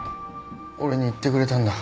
俺に言ってくれたんだ。